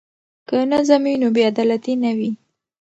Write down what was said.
که نظم وي نو بې عدالتي نه وي.